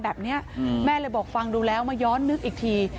แบบนี้แม่เลยบอกฟังดูแล้วมาย้อนนึกอีกที